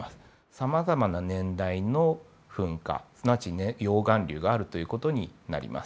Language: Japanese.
さまざまな年代の噴火すなわち溶岩流があるという事になります。